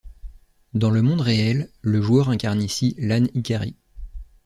Dans le monde réel, le joueur incarne ici Lan Hikari.